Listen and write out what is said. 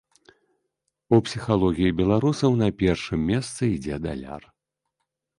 У псіхалогіі беларусаў на першым месцы ідзе даляр.